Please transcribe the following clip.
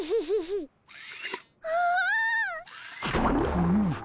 フム！